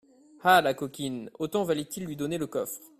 Ah ! la coquine ! Autant valait-il lui donner le coffre.